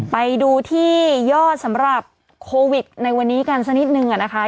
ไปดูที่ยอดสำหรับโควิดในวันนี้กันสักนิดนึงนะคะ